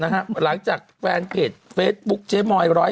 หลังจากแฟนเพจเฟซบุ๊คเจ๊มอย๑๐